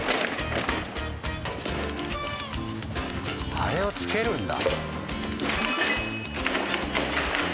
あれをつけるんだ。